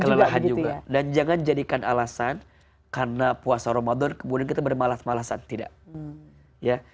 kelelahan juga dan jangan jadikan alasan karena puasa ramadan kebeneran malas malasan tidak ya